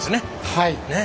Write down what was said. はい。